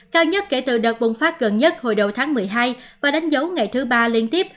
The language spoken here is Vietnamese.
cao nhất kể từ đợt bùng phát gần nhất hồi đầu tháng một mươi hai và đánh dấu ngày thứ ba liên tiếp